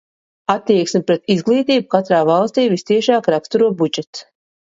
Attieksmi pret izglītību katrā valstī vistiešāk raksturo budžets.